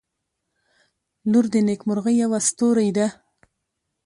• لور د نیکمرغۍ یوه ستوری ده.